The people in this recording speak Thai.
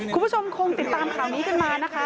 คุณผู้ชมคงติดตามข่าวนี้กันมานะคะ